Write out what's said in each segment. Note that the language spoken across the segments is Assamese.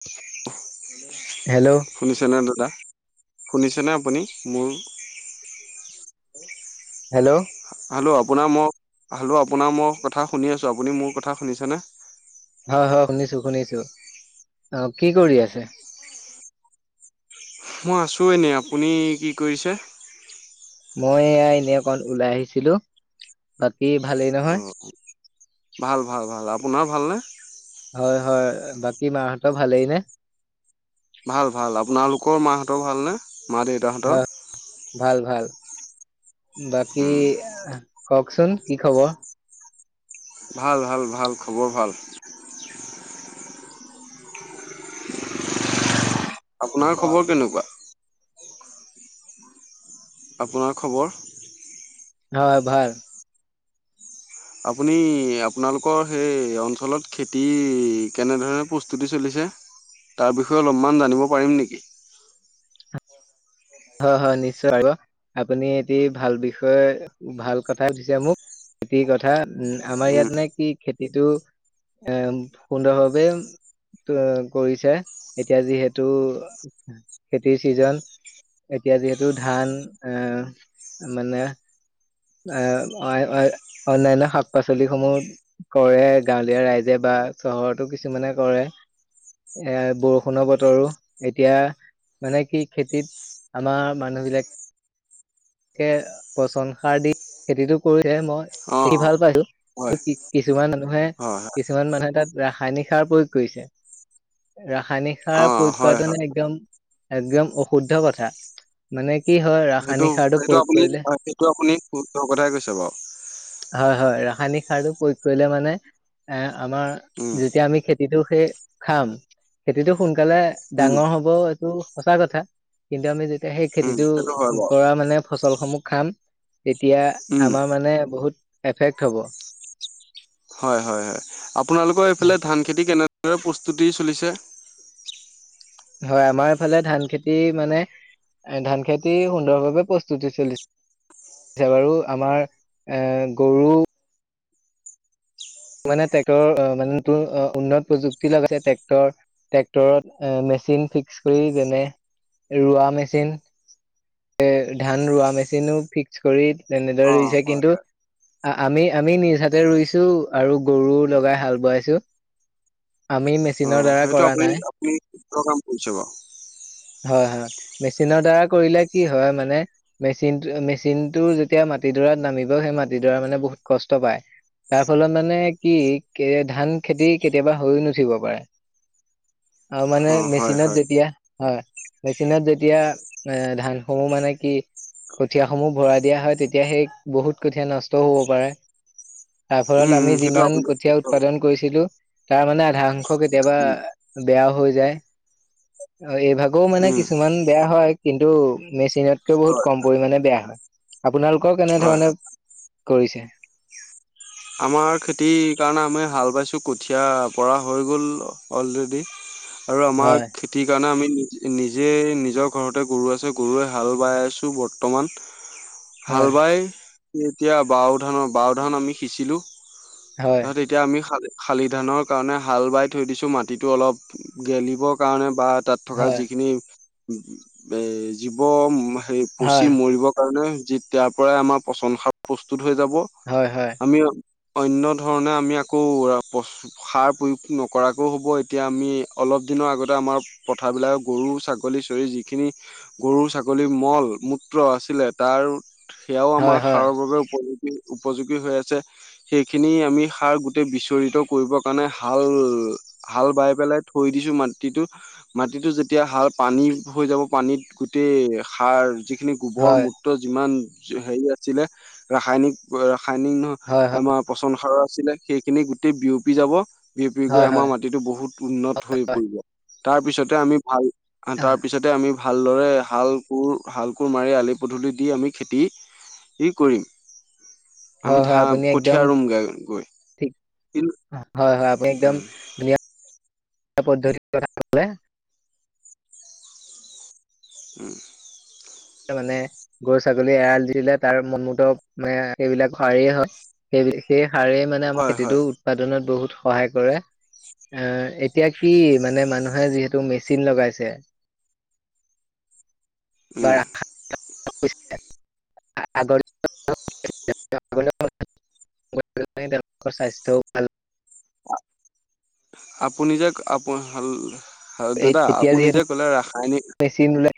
[unintelligible] হেল্ল' শুনিছেনে দাদা শুনিছেনে আপুনি মোৰ হেল্ল' হেল্লো' আপোনাৰ মই হেল্লো আপোনাৰ মই কথা শুনি আছো আপুনি মোৰ কথা শুনিছেনে হয় হয় শুনিছো শুনিছো অ কি কৰি আছে মই আছোঁ এনেই আপুনি কি কৰিছে মই এয়া এনে অকণ ওলাই আহিছিলো বাকী ভালেই নহয় অ' ভাল ভাল ভাল আপোনাৰ ভালনে হয় হয় বাকী মা হঁতৰ ভালেই নে ভাল ভাল আপোনালোকৰ মা হঁতৰ ভাল নে মা দেউতা হতৰ হয় ভাল ভাল বাকী উম অহ কওঁকচোন, কি খবৰ? ভাল, ভাল, ভাল, খবৰ ভাল। আপোনাৰ খবৰ কেনেকুৱা? আপোনাৰ খবৰ? হয় ভাল। আপুনি আপোনালোকৰ সেই অঞ্চলত খেতিৰ কেনেধৰণে প্ৰস্তুতি চলিছে তাৰ বিষয়ে অলপ মান জানিব পাৰি নেকি? হয়, হয় নিশ্চয় আৰু আপুনি এটি ভাল বিষয়ে, ভাল কথায়ে সুধিছে মোক খেতিৰ কথা উম, আমাৰ ইয়াত উম নে কি খেতিটো এ সুন্দৰভাৱে কৰিছে এতিয়া যিহেতু খেতিৰ চিজন এতিয়া যিহেতু ধান অহ, মানে অহ, অয়-অয়-অনান্য শাক-পাচলি সমূহ কৰে গাঁৱলীয়া ৰাইজে বা চহৰতো কিছুমানে কৰে এ বৰষুণৰ বতৰো এতিয়া মানে কি খেতিত আমাৰ মানুহবিলাক এনকে পচন সাৰ দি খেতিটো কৰিছে মই দেখি অ' ভাল পাইছো, হয় কিছুমান মানুহে, হয় হয় কিছুমান মানুহে তাত ৰাসায়নিক সাৰ প্ৰয়োগ কৰিছে ৰাসায়নিক সাৰ অ' প্ৰয়োগ হয় হয়। কৰাটো নে একদম একদম অশুদ্ধ কথা মানে কি হয় সেইটো ৰাসায়নিক সাৰটো সেইটো প্ৰয়োগ আপুনি, কৰিলে সেইটো আপুনি, সুদ্ধ কথাই কৈছে বাৰু। হয় হয় ৰাসায়নিক সাৰটো প্ৰয়োগ কৰিলে মানে এ আমাৰ উম যেতিয়া আমি খেত খেতিটো সেই খাম, খেতিটো সোনকালে উম ডাঙৰ হব এইটো সঁচা কথা কিন্তু আমি যেতিয়া সেই উম খেতিটো সেইটো হয় বাৰু পৰা মানে ফচলসমূহ খাম তেতিয়া উম আমাৰ মানে বহুত এফেক্ট হ'ব। হয়, হয়, হয়, আপোনালোকৰ এইফালে ধান খেতি কেনে ৰে প্ৰস্তুতি চলিছে। হয়, আমাৰ এইফালে ধান খেতি মানে, ধান খেতি সুন্দৰভাৱে প্ৰস্তুতি চলিছেছে বাৰু আমাৰ এ গৰু মানে ট্ৰেক্টৰৰ মানে নতুন উন্নত প্ৰযুক্তি লগাইছে, টেক্টৰ ট্ৰেক্টৰত মেচিন ফিক্স কৰি যেনে ৰোৱা মেচিন এ ধান ৰোৱা মেচিনো ফিক্স কৰি অ তেনেদৰে ৰুইছে হয় কিন্তু আমি, আমি নিজ হাতে ৰুইছোঁ আৰু গৰু লগাই হাল বোৱাইছোঁ। আমি, মি সেইটো আপুনি, আপুনি কিহৰ কাম কৰিছে বাৰু? হয়, হয়। মেচিনৰ দ্বাৰা কৰিলে কি হয়, মানে, মেচিন, মেচিনটো যেতিয়া মাটিডৰাত নামিব, সেই মাটিডৰা, মানে, বহুত কষ্ট পায়। তাৰ ফলত, মানে, কি, ধানখেতি কেতিয়াবা হৈও নুঠিব পাৰে। আৰু, মানে, অ হয় মেচিনত হয় যেতিয়া হয়, মেচিনত যেতিয়া আ, ধান সমূহ, মানে, কি, কঠিয়া সমূহ ভৰাই দিয়া হয়। তেতিয়া সেই বহুত কঠিয়া নষ্টও হ'ব পাৰে। তাৰ উম ফলত উম আমি সেইটো যিমান আপুনি কঠীয়া শুদ্ধ উৎপাদন কৰিছিলোঁ তাৰ মানে, আধা সংখ্যক উম কেতিয়াবা বেয়াও হৈ যায়। এইভাগো, মানে, উম কিছুমান বেয়া হয়, কিন্তু মেচিনতকে বহুত হয় কম পৰিমাণে বেয়া হয়। আপোনালোক কৰ হয় কেনেধৰণে হয় কৰিছে আমাৰ খেতিৰ কাৰণে আমি হাল বাইছোঁ। কঠীয়া পৰা হৈ গ'ল অলৰেডি আৰু আমাৰ হয় খেতিৰ কাৰণে আমি নিজে, নিজৰ ঘৰতে গৰু আছে। গৰুৱে হাল বাই আছোঁ বৰ্তমান হয় হাল বাই এতিয়া বাও ধানৰ বাও ধান আমি শিছিলোঁ। হয় তাহত এতিয়া আমি খালে শালি ধানৰ কাৰণে হাল বাই থৈ দিছো, মাটিতো অলপ গেলিবৰ কাৰণে বা তাত থকা হয় যিখিনি এ জীৱ সেই পচি হয় মৰিবৰ কাৰণে যেতিয়াৰ পৰাই আমাৰ পচন সাৰ প্ৰস্তুত হৈ যাব। হয় হয় আমি অন্য ধৰণে আমি আকৌ সাৰ প্ৰয়োগ নকৰাকৈ হ'ব এতিয়া আমি অলপ দিনৰ আগতে আমাৰ পথাৰবিলাকৰ গৰু ছাগলী চৰি যিখিনি গৰু ছাগলীৰ মল মূত্ৰ আছিলে তাৰ সেয়াও হয় আমাৰ হয় সাৰৰ বাবে উপযুক্ত উপযোগী হৈ আছে। সেইখিনি আমি সাৰ গোটেই বিচৰিত কৰিব কাৰণে হাল হাল বাই পেলাই থৈ দিছো। মাটিটো মাটিটো যেতিয়া হাল পানী হৈ যাব পানীত গোটেই সাৰ যিখিনি গোবৰ হয় মূত্ৰ যিমান হেৰি আছিলে ৰাসায়নিক -ৰাসায়নিক হয় আমাৰ পচন সাৰৰ সেইখিনি গোটেই বিয়পি যাব। বিয়পি গৈ হয় হয় আমাৰ হয় মাটিটো বহুত উন্নত হৈ পৰিব। তাৰ পিছতে আমি ভাল তাৰ পিছতে আমি ভালদৰে হাল কোৰ, শাল কোৰ মাৰি আলি পদূলি দি আমি খেতি কৰিম। হয়, হয়। আপুনি কঠিয়া একদম ৰুম গে গৈ ঠিক কিন্তু হয়। একদম ধুনীয়া পদ্ধতি কৰাথা হ'লে। উ'ম। মানে গৰু ছাগলী এৰাল দি দিলে তাৰ মনমত মানে সেইবিলাক সাৰে হয় সেই, সেই সাৰেই মানে আমাৰ হয় হয় খেতিটো উৎপাদনত বহুত সহায় কৰে এ এতিয়া কি মানে মানুহে যিহেতু মেচিন লগাইছে। উম [unintelligible] আগৰ দিনৰ মানুহৰ সেইকাৰণে তেঁওলোকৰ স্বাস্থ্যওঁ ভাল। আপুনি যে নিজক আপোন ভাল আৰু দাদা এতিয়া আপুনি নি যিহেতু যে কলে ৰাসায়নিক মেচিন ওলাই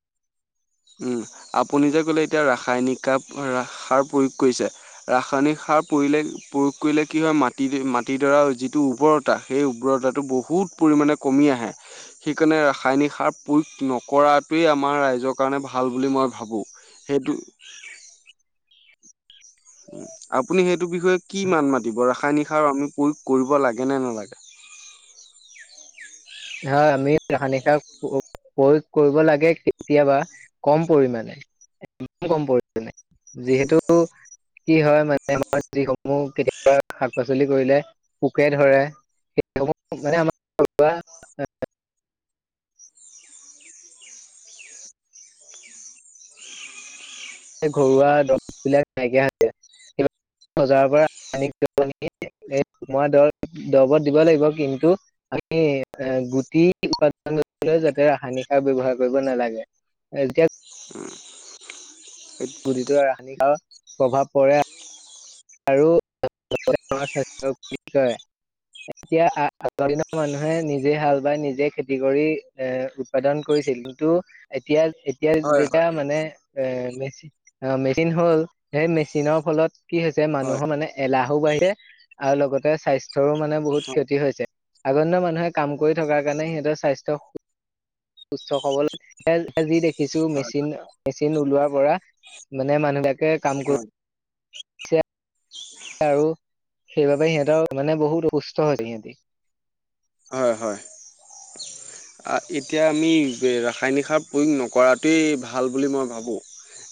আপুনি যে ক'লে এতিয়া ৰাসায়নিক সাৰ সাৰ প্ৰয়োগ কৰিছে। ৰাসায়নিক সাৰ পৰিলে প্ৰয়োগ কৰিলে কি? হয় মাটি মাটিডৰা যিটো উৰ্বৰতা সেই উৰ্বৰতাটো বহুত পৰিমাণে কমি আহে সেইকাৰণে ৰাসায়নিক সাৰ প্ৰয়োগ নকৰাটোৱেই আমাৰ ৰাইজক কাৰণে ভাল বুলি মই ভাবোঁ। সেইটো আপুনি সেইটো বিষয়ে কি মাত মাতিব? ৰাসায়নিক সাৰ আমি প্ৰয়োগ কৰিব লাগে নে নালাগে? হয়, আমি ৰাসায়নিক সাৰ প্ৰয়োগ কৰিব লাগে। কেতিয়াবা কম পৰিমাণে, কম পৰিমাণে। যিহেতু কি হয়, মানে, আমাৰ যিসমূহ কেতিয়াবা শাক-পাচলি কৰিলে পোকে ধৰে, সেইসমূহ, মানে, আমাৰ [unintelligible] এ ঘৰুৱা দৰববিলাক নাইকিয়া হৈ যায়, বজাৰৰ পৰা আমি [unintelligible] দৰবত দিব লাগিব কিন্তু আমি এ গুটি উপাদানলৈ যাতে ৰাসায়নিক সাৰ ব্যৱহাৰ কৰিব নালাগে এতিয়া গুটিটোৰ ৰাসায়নিক সাৰ প্ৰভাৱ পৰে। আৰু স্বাস্থ্য এতিয়া আগৰ দিনৰ মানুহে নিজে হাল বাই নিজে খেতি কৰি এ উৎপাদন কৰিছিল কিন্তু এতিয়া এতিয়া হয় হয় যেতিয়া মানে এ মেচ মেচিন হ'ল সেই মেচিনৰ ফলত কি যে হয় মানুহৰ মানে এলাহো বাঢ়ছে আৰু লগতে স্বাস্থ্যৰো মানে বহুত হয় ক্ষতি হৈছে আগন্তৰ মানুহে কাম কৰি থকাৰ কাৰণে সিহঁতৰ স্বাস্থ্য চ্চ হ'বলৈ যি দেখিছো মেচিন, মেচিন ওলোৱাৰ পৰা মানে মানুহবিলাকে কাম কৰ হয় আৰু সেইবাবে সিহঁতৰ মানে বহুত সুস্থ হয় সিহঁতি। আ, এতিয়া আমি ৰাসায়নিক সাৰ প্ৰয়োগ নকৰাটোৱেই ভাল বুলি মই ভাবোঁ।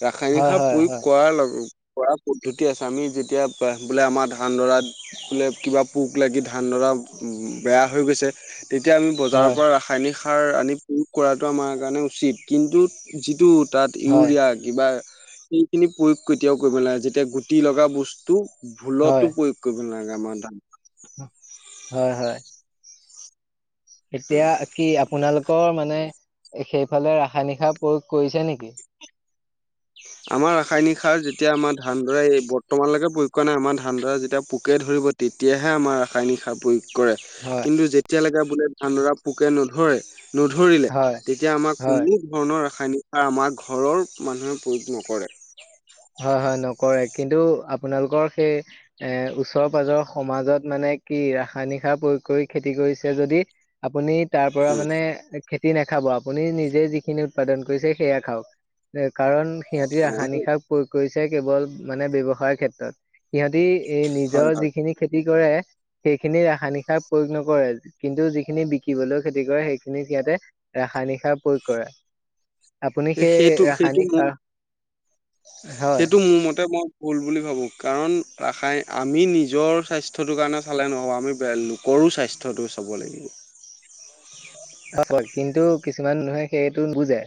ৰাসায়নিক হয় সাৰ হয় প্ৰয়োগ হয় কৰাৰ লগ কৰা পদ্ধতি আছে আমি যেতিয়া বোলে আমাৰ ধান ডৰা বোলে কিবা পোক লাগি ধানডৰা বেয়া হৈ গৈছে। তেতিয়া আমি বজাৰৰ হয় পৰা ৰাসায়নিক সা সাৰ আনি প্ৰয়োগ কৰাটো আমাৰ কাৰণে উচিত কিন্তু যিটো তাত হয় ইউৰিয়া কিবা সেইখিনি প্ৰয়োগ কেতিয়াও কৰিব নাগে যেতিয়া গুটি লগা বস্তু হয়। ভুলতো প্ৰয়োগ কৰিব নালাগ আমা দা হয়, হয়। এতিয়া কি আপোনালোকৰ মানে এ সেইফালে ৰাসায়নিক সাৰ প্ৰয়োগ কৰিছে নেকি? আমাৰ ৰাসায়নিক সাৰ যেতিয়া আমাৰ ধানডৰা বৰ্তমানলৈকে প্ৰয়োগ কৰা নাই আমাৰ ধানডৰা যেতিয়া পোকে ধৰিব তেতিয়াহে আমাৰ ৰাসায়নিক সাৰ প্ৰয়োগ কৰে হয় কিন্তু যে যেতিয়ালৈকে বোলে ধানদৰা পোকে নধৰে নধৰিলে, হয় তেতিয়া আমাৰ হয় কোনো ধৰণৰ ৰাসায়নিক সাৰ আমাৰ ঘৰৰ মানুহে [unintelligible] নকৰে। হয় হয় নকৰে কিন্তু আপোনালোকৰ সেই এ ওচৰ পাজৰ সমাজত মানে কি ৰাসায়নিক সাৰ প্ৰয়োগ কৰি খেতি কৰিছে যদি আপুনি তাৰ পৰা উম, মানে খেতি নাখাব আপুনি নিজে যিখিনি উৎপাদন কৰিছে সেয়া খাওক কাৰণ, সিহতি ৰসায়নিক সাৰ কৰিছে কেৱল মানে ব্যৱসায়ৰ ক্ষেত্ৰত। সিহতি এই হয় নিজৰ হয় যিখিনি খেতি কৰে সেইখিনি ৰাসায়নিক সাৰ প্ৰয়োগ নকৰে কিন্তু যিখিনি বিকিবলৈও খেতি কৰে সেইখিনি সিহতে ৰাসায়নিক সাৰ প্ৰয়োগ কৰে। আপুনি সেই সেইটো সেইটো ৰাসায়নিক মোৰ সাৰ হয় সেইটো মোৰ মতে মই ভুল বুলি ভাবোঁ কাৰণ ৰাসায়ন, আমি নিজৰ স্বাস্থ্যটোৰ কাৰণে চালে নহ'ব আমি বেলেগৰো স্বাস্থ্যটো চাব লাগিব। অহ ', হয়। কিন্তু কিছুমান মানুহে সেইটো নু বুজে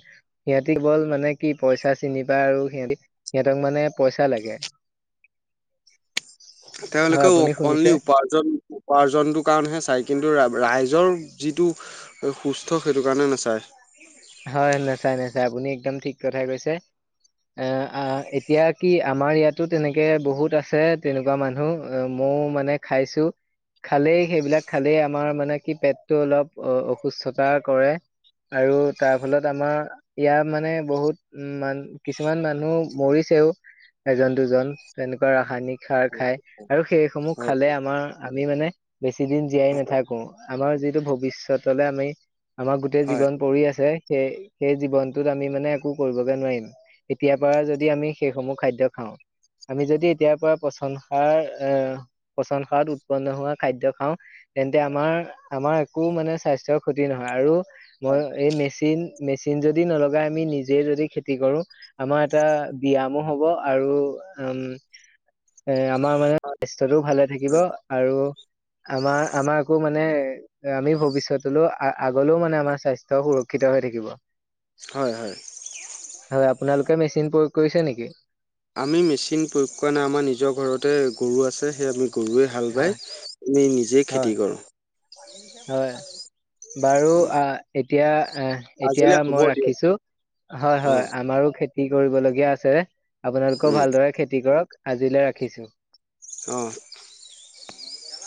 সিহঁতি ব'ল মানে কি পইচা চিনি পায় আৰু সিহতি সিহঁতক মানে পইচা লাগে। হয় তেওঁলোকে আপুনি অনলী শুনিছে? উপাৰ্জন - উপাৰ্জনটোৰ কাৰণেহে চাই কিন্তু ৰাইজ। ৰ নিজৰ যিটো সুস্থ সেইটো কাৰণে নাচায়। হয় নাচাই- নাচাই আপুনি একদম ঠিক কথাই কৈছে এ - আঁহ ', এতিয়া কি আমাৰ ইয়াতো তেনেকে বহুত আছে তেনেকুৱা মানুহ অহ ', ময়ও মানে খাইছো খালেই সেইবিলাক খালেই আমাৰ মানে কি পেটটো অলপ অসুস্থতা কৰে। আৰু তাৰ ফলত আমাৰ ইয়াৰ মানে বহুত উম ', মান কিছুমান মানুহ মৰিছেও এজন দুজন তেনেকুৱা ৰাসায়নিক সাৰ খায়। আৰু সেইসমূহ হয় খালে আমাৰ। আমি মানে বেছি দিন জীয়াই নাথাকো আমাৰ যিটো ভৱিষ্যতলৈ আমি আমাৰ গোটেই হয় জীৱন পৰি আছে। সেই জীৱনটোত আমি মানে একো কৰিবগে নোৱাৰিম। এতিয়াৰ পৰা যদি আমি সেইসমূহ খাদ্য খাওঁ। আমি যদি এতিয়াৰ পৰা পচন সাৰ আহ', পচন সাৰত উৎপন্ন হোৱা খাদ্য খাওঁ তেন্তে আমাৰ আমাৰ একো মানে স্বাস্থ্যয়ৰ ক্ষতি নহয়। আৰু মই এই মে - মেচিন যদি নলাই আমি নিজে যদি খেতি কৰো আমাৰ এটা ব্যায়মো হ'ব আৰু উম ', আমাৰ মানে স্বাস্থ্যটো ভালে থাকিব আৰু আমাৰ আমাকো মানে আমি ভৱিষ্যতলৈ আগলৈও মানে আমাৰ স্বাস্থ্য। শিক্ষিত হৈ থাকিব। হয় হয় হয় আপোনালোকে মেচিন প্ৰয়োগ কৰিছে নেকি? আমি মেচিন প্ৰয়োগ কৰা নাই আমাৰ নিজৰ ঘৰতে গৰু আছে সেই আমি। গৰুৱে হাল বাই হয় আমি নিজে হয় খেতি কৰোঁ। হয় বাৰু আঁহ ', এতিয়া আহ ', এতিয়া আজিলৈ হ'ব মই দিয়ক ৰাখিছো। হয়- অ হয় আমাৰো খেতি কি কৰিবলগীয়া আছে। আপোনালোকেও উম ভালদৰে খেতি কৰক। আজিলৈ ৰাখিছো। অ